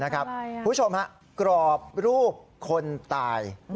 คุณผู้ชมฮะกรอบรูปคนตาย